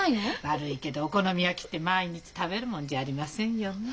悪いけどお好み焼きって毎日食べるものじゃありませんよね。